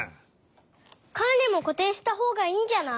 カンリもこていしたほうがいいんじゃない？